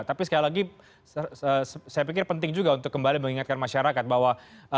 tapi sekali lagi saya pikir penting juga untuk kembali mengingatkan masyarakat bahwa